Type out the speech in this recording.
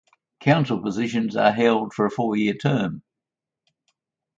Council positions are held for a four-year term.